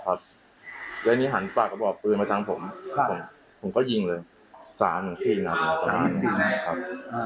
ขอผลหันปากก็บอกปืนมาตั้งปุ๊บผมผมปุ๊บต้องกินเลยสำความลด